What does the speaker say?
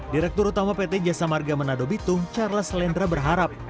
direktur utama pt jasa marga menado bitung charles lendra berharap